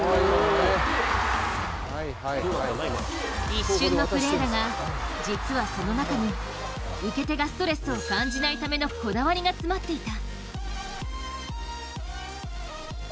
一瞬のプレーだが、実はその中に受け手がストレスを感じないためのこだわりが詰まっていた。